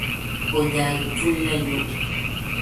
O daagi pun'la yo.